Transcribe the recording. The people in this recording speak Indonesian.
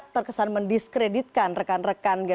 terkesan mendiskreditkan rekan rekan